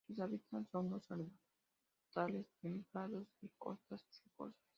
Sus hábitats son los arbustales templados y costas rocosas.